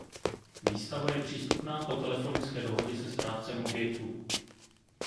Výstava je přístupná po telefonické dohodě se správcem objektu.